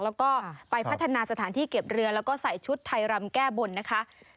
แล้วก็ไปพัฒนาสถานที่เก็บเรือแล้วก็ใส่ชุดไทยรำแก้บนนะคะ